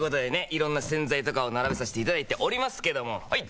色んな洗剤とかを並べさせていただいておりますけどもはい！